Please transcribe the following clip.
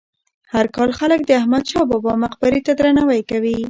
هر کال خلک د احمد شاه بابا مقبرې ته درناوی کوي.